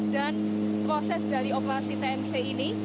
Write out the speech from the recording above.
dan proses dari operasi tnc ini